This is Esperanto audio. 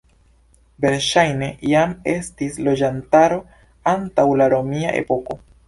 Verŝajne jam estis loĝantaro antaŭ la romia epoko.